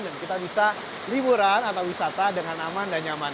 dan kita bisa liburan atau wisata dengan aman dan nyaman